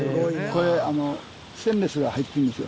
これステンレスが入ってるんですよ。